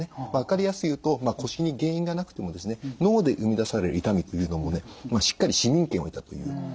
まあ分かりやすく言うと腰に原因がなくてもですね脳で生み出される痛みというのもねしっかり市民権を得たという。